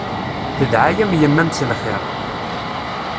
Tedɛa-yam yemma-m s lxir.